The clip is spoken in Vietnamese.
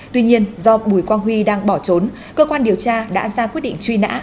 tuy nhiên do bùi quang huy đang bỏ trốn cơ quan điều tra đã ra quyết định truy nã